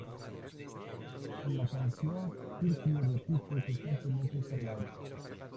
En la canción Fergie repite constantemente esta palabra.